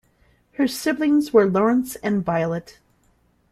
Her siblings were Laurence and Violet.